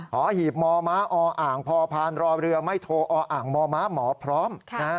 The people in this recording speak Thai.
หอหีบหมอม้าออ่างพอพานรอเรือไม่โทออ่างหมอม้าหมอพร้อม